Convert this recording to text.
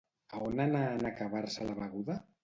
A on anà en acabar-se la beguda?